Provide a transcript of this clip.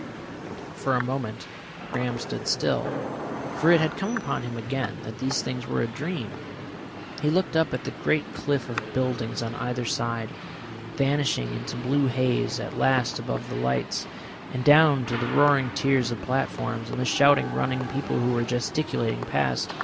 For a moment Graham stood still, for it had come upon him again that these things were a dream. He looked up at the great cliff of buildings on either side, vanishing into blue haze at last above the lights, and down to the roaring tiers of platforms, and the shouting, running people who were gesticulating past.